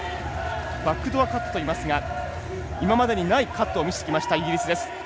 バックドアカットといいますが今までにないカットを見せてきたイギリス。